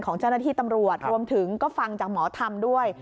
ของเจ้าหน้าที่ตำรวจรวมถึงก็ฟังจากหมอธรรมด้วย